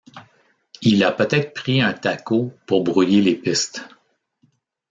Il a peut-être pris un tacot pour brouiller les pistes.